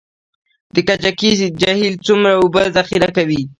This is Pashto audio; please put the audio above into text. د کجکي جهیل څومره اوبه ذخیره کوي؟